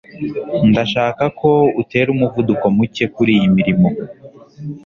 ndashaka ko utera umuvuduko muke kuriyi mirimo